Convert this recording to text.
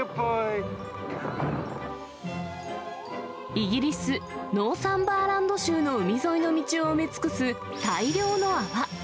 イギリス・ノーサンバーランド州の海沿いの道を埋め尽くす、大量の泡。